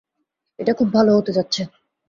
এটা খুব ভালো হতে যাচ্ছে।